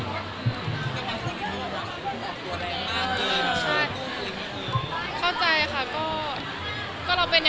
ก็เวลาเราคลิกกับใครมันก็คลิกกับมนุษย์